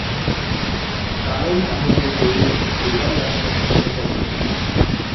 কারণ তাহলে "দেব" দুবাই আসতে বাধ্য হবে।